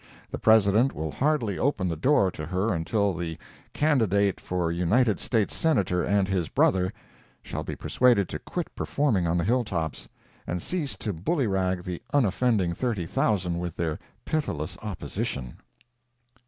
The President will hardly open the door to her until the "candidate for United States Senator and his brother" shall be persuaded to quit performing on the hilltops, and cease to bullyrag the unoffending 30,000 with their pitiless opposition.